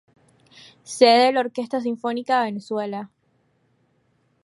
Sede de la Orquesta Sinfónica Venezuela.